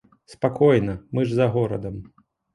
Спакойна, мы ж за горадам!